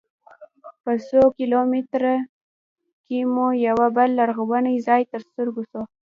په څو کیلومترۍ کې مو یوه بل لرغونی ځاې تر سترګو سو.